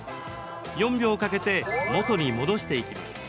４秒かけて、元に戻していきます。